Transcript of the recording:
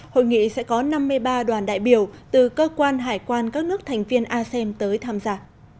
hội nghị sẽ có năm mươi ba đoàn đại biểu từ cơ quan hải quan các nước thành viên asem tới tham gia